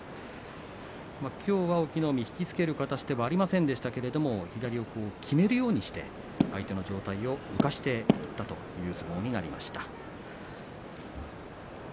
きょうは隠岐の海引き付ける形ではありませんでしたが左をきめるようにして相手の上体を浮かせていったという相撲になりました。